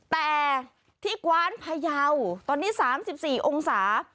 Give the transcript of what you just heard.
แต่ที่กว้านพยาวตอนนี้๓๔องศา